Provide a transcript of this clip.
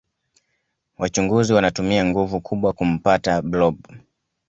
wachunguzi wanatumia nguvu kubwa kumpta blob